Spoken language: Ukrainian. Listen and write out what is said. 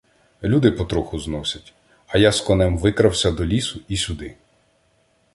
Люди потроху зносять, а я з конем викрався до лісу і — сюди.